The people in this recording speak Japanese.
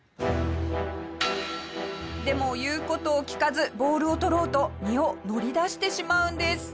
でも、言う事を聞かずボールを取ろうと身を乗り出してしまうんです。